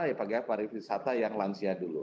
ya pegawai pariwisata yang lansia dulu